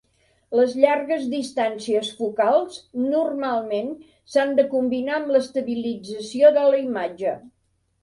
Les llargues distàncies focals normalment s'han de combinar amb l'estabilització de la imatge.